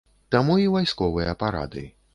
Таму і вайсковыя парады.